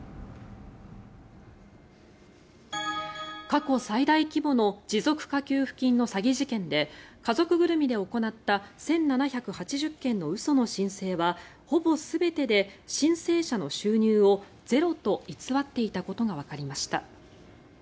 過去最大規模の持続化給付金の詐欺事件で家族ぐるみで行った１７８０件の嘘の申請はほぼ全てで申請者の収入をゼロと偽っていたことがわかりました。